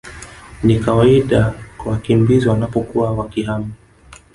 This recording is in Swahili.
ni kawaida kwa wakimbizi wanapokuwa wakihama